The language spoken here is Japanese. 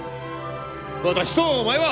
私とお前は！